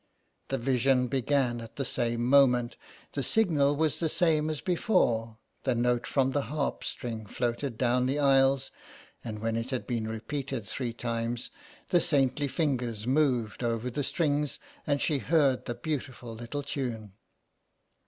The vision began at the same moment, the signal was the same as before ; the note from the harp string floated down the aisles and when it had been repeated three times the saintly fingers moved over the strings, and she heard the beautiful little tune.